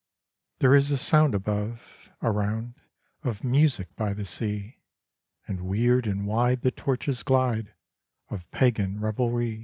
There is a sound above, around, Of music by the sea; And weird and wide the torches glide Of pagan revelry.